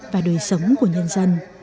và đời sống của nhân dân